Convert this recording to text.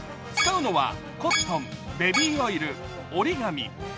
使うのは、コットン、ベビーオイル、折り紙。